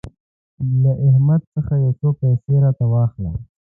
له احمد څخه يو څو پيسې راته واخله.